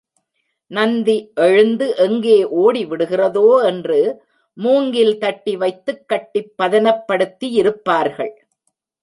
நந்தி எழுந்து எங்கே ஓடி விடுகிறதோ என்று மூங்கில் தட்டி வைத்துக் கட்டிப் பதனப்படுத்தியிருப்பார்கள்.